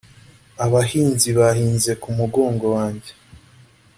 abahinzi bahinze ku mugongo wanjye